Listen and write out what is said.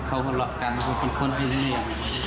เขาหลัดกันก็เป็นคนหุงเมีย